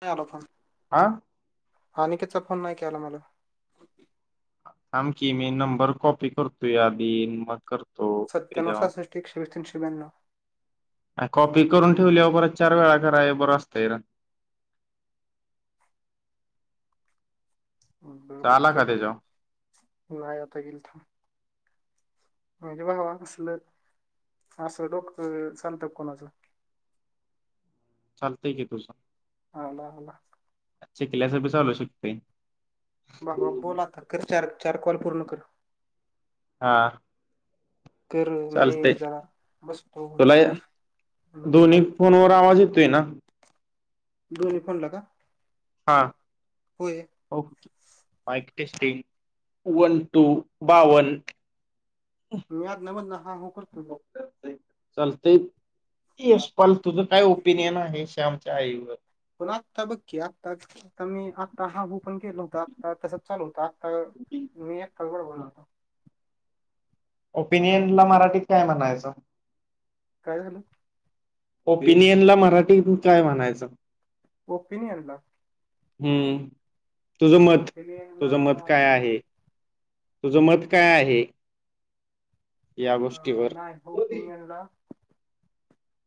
ह आा आणिकीचा फोन नाही के आला मला समखी मी नंबर कॉपी करतो याधी मग करतो सत््याण त्याच्यावर सासष्ट एकशे तीनशे ब्याण्व कॉपी करून ठेवलीवर परत चार वेळा करा आहे बरं असतंय र बरबर आला कर का त्याच्यावर लता गलथ म्हणजे वा वा असल असं डोक्ट सचालतात कोणाचं चालतय की तुझ हाला होला शिकल्याच बी चालू शकतय बाबा बोल आता कर चार चार कॉल पूर्ण कर हा कर मी चालतंय जरा बसतो होई तुला करत नोट्स दोन्ही काढत फोनवर आवाज येतोय ना दोनी फोनला का हां होय ओ माईक टेस्टिन वन टू बावन मी आद मदन हा हू कर चालतंय हा. येश पाल तुझं काय ओपिनियन आहे श्यामच्या आईवर पण आत्ता बक्की आताचकमी हा हू पण केला होता आता तसच चालू होता आता आईवर मी एकटा बडबडतो बोलतो ओपिनियन ला मराठीत काय म्हणायचं काय झालं ओपिनियन ला मराठीतून काय म्हणायचं ओपिनियनला हम्म तुझं मत ओपिनियनला तुझं मत काय आहे तुझं मत काय आहे या अ गोष्टीवर ना ए मोदी ओपिनिनला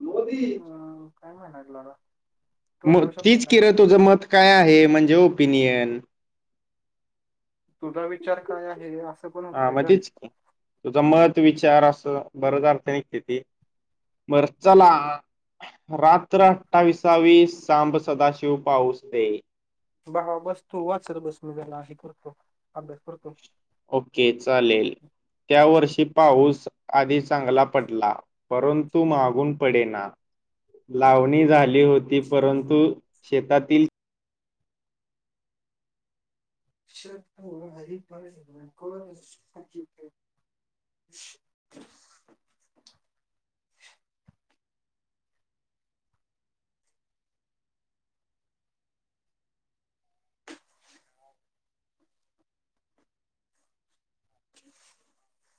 मोदी अं, काय महा नादि लागला मग तोंडावर शब्द तीच यायला की लागला रे तो तुझं मत काय आहे म्हणजे ओपिनियन. तुझा विचार काय आहे हे अस हा म तेच की तुझ मत विचार असं बरच अर्थ निघत्यात ते. बरं चला. रात्र अठ्ठाविसावी सांब सदाशिव पाऊस दे. बाळा बस तु वाचत बस मी जरा अशी करतो अभ्यास करतो. ओके चालेल त्या वर्षी पाऊस आधी चांगला पडला. परंतु मागून पडे ना. लावणी झाली होती परंतु शेतातील [unintelligible] [unintelligible] [unintelligible]